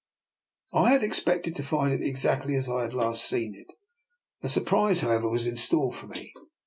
I had expected to find it exactly as I had last seen it. A surprise, however, was in store for me.